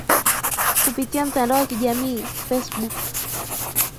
kupitia mtandao wa kijamii facebook